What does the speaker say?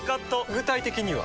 具体的には？